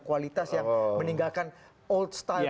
kualitas yang meninggalkan old style